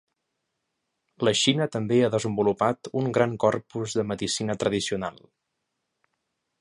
La Xina també ha desenvolupat un gran corpus de medicina tradicional.